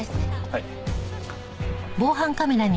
はい。